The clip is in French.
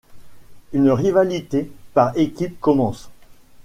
Une rivalité par équipe commence.